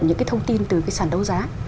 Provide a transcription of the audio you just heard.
những cái thông tin từ cái sản đấu giá